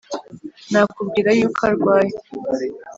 Nakubwira yuko arwaye